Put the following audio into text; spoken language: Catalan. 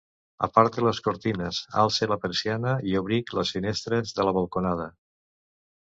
Aparte les cortines, alce la persiana i òbric les finestres de la balconada.